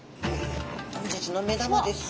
本日の目玉です。